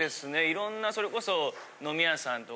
色んなそれこそ。